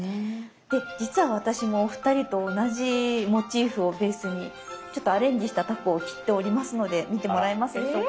で実は私もお二人と同じモチーフをベースにちょっとアレンジしたタコを切っておりますので見てもらえますでしょうか？